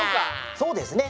そうですね。